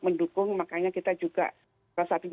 mendukung makanya kita juga saat ini